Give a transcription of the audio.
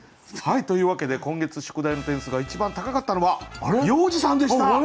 というわけで今月宿題の点数が一番高かったのは要次さんでした。